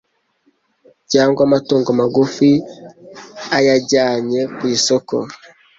cyangwa amatungo magufi ayajyanye kwisoko.